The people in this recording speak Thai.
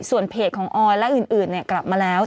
ส่วนเพจของออยและอื่นกลับมาแล้ว